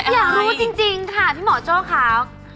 อยากรู้จริงค่ะพี่หมอโจ้ค่ะ